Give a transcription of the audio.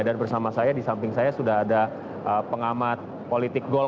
dan bersama saya di samping saya sudah ada pengarah pengarah